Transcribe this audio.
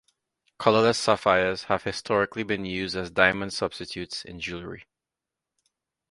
Colorless sapphires have historically been used as diamond substitutes in jewelry.